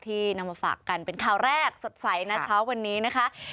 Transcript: นำมาฝากกันเป็นข่าวแรกสดใสนะเช้าวันนี้นะคะ